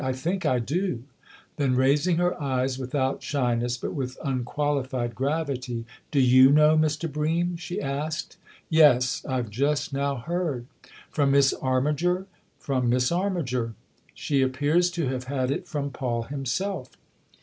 " I think I do." Then raising her eyes without shy ness, but with unqualified gravity, " Do you know, Mr. Bream ?" she asked. " Yes I've just now heard." " From Miss Armiger ?"" From Miss Armiger. She appears to have had it from Paul himself."